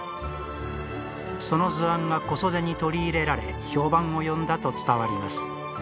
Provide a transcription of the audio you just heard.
その図案が小袖に取り入れられ評判を呼んだと伝わります。